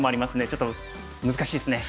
ちょっと難しいですね。